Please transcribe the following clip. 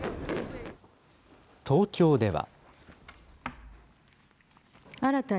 東京では。